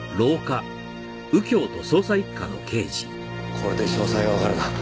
これで詳細がわかるな。